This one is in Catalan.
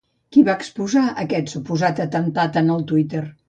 Qui va exposar aquest suposat atemptat en el Twitter?